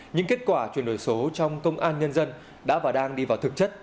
những kết quả chuyển đổi số trong công an nhân dân đã và đang đi vào thực chất